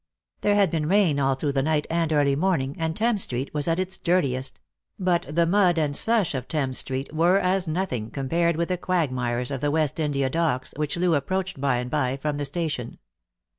There had been rain all through the night and early morning, and Thames street was at its dirtiest ; but the mud and slush of Thames street were as nothing compared with the quagmires of the West India Docks, which Loo approached by and by from the station.